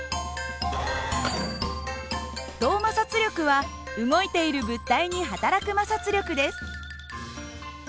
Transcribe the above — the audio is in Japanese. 動摩擦力は動いている物体にはたらく摩擦力です。